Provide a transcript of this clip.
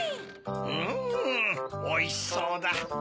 うんおいしそうだ。